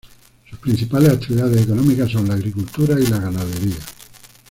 Sus principales actividades económicas son la agricultura y la ganadería.